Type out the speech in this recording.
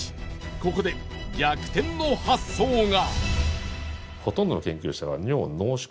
ここで逆転の発想が！